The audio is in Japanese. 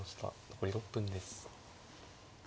残り６分です。